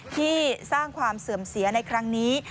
ที่สร้างความเสื่อมเสียในครั้งนี้